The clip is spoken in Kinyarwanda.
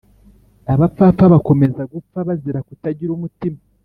abapfapfa bakomeza gupfa bazira kutagira umutima